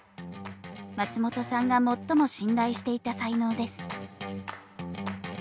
松本さんが最も信頼していた才能です。